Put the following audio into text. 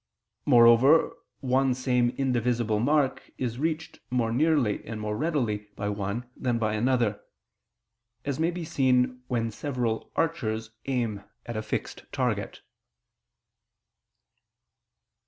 Moreover, one same indivisible mark is reached more nearly and more readily by one than by another: as may be seen when several archers aim at a fixed target.